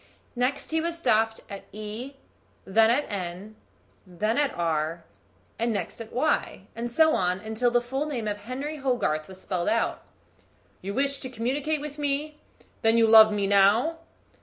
Next he was stopped at E, then at N, then at R, and next at Y; and so on, till the full name of Henry Hogarth was spelled out. "You wish to communicate with me; then you love me now?"